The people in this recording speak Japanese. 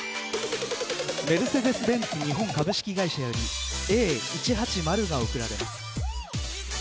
メルセデス・ベンツ日本株式会社よりＡ１８０が贈られます。